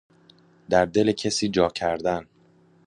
در دل کسی جا کردن